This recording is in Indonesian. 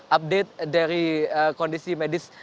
update dari kondisi medis